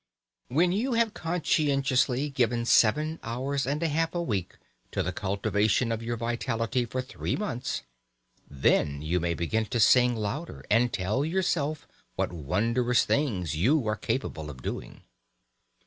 When you have conscientiously given seven hours and a half a week to the cultivation of your vitality for three months then you may begin to sing louder and tell yourself what wondrous things you are capable of doing.